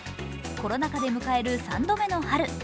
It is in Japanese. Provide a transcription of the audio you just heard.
コロナ禍で迎える３度目の春。